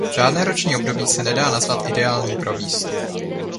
Žádné roční období se nedá nazvat ideální pro výstup.